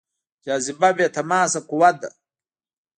جاذبه بې تماس قوه ده.